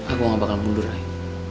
aku gak bakal mundur lagi